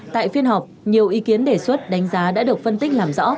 tại phiên họp nhiều ý kiến đề xuất đánh giá đã được phân tích làm rõ